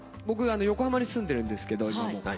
僕横浜に住んでるんですけど今も。